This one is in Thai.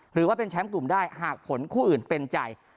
หรือว่าเป็นแชมป์กลุ่มได้หากผลคู่อื่นเป็นใจ